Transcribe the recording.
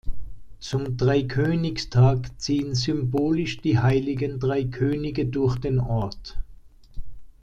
Zum Dreikönigstag ziehen symbolisch die Heiligen Drei Könige durch den Ort.